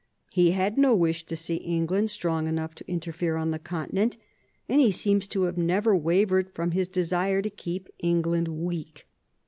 He had no wish to see England strong enough to inter fere on the Continent, and he seems to have never wavered from his desire to keep England weak.